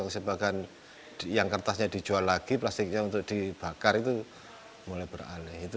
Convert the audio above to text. sebagian yang kertasnya dijual lagi plastiknya untuk dibakar itu mulai beralih